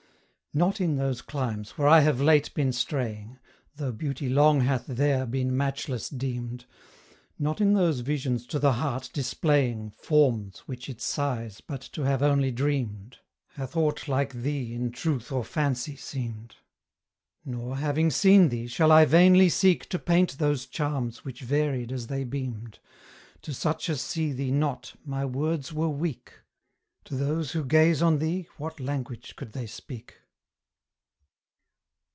Not in those climes where I have late been straying, Though Beauty long hath there been matchless deemed, Not in those visions to the heart displaying Forms which it sighs but to have only dreamed, Hath aught like thee in truth or fancy seemed: Nor, having seen thee, shall I vainly seek To paint those charms which varied as they beamed To such as see thee not my words were weak; To those who gaze on thee, what language could they speak?